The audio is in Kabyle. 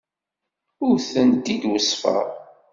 Ur tent-id-weṣṣfeɣ.